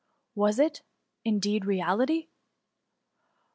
Was it^ indeed, reality